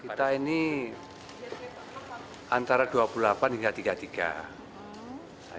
kita ini antara dua puluh delapan hingga tiga puluh tiga